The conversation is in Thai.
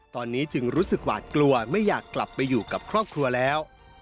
ตอนนี้จึงรู้สึกหวาดกลัวไม่อยากกลับไปอยู่กับครอบครัวแล้ว